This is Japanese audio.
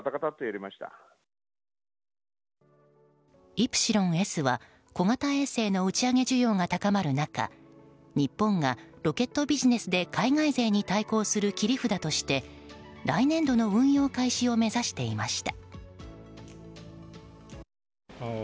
「イプシロンＳ」は小型衛星の打ち上げ需要が高まる中日本がロケットビジネスで海外勢に対抗する切り札として来年度の運用開始を目指していました。